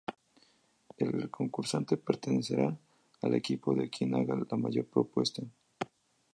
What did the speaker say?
El concursante pertenecerá al equipo de quien haga la mayor propuesta.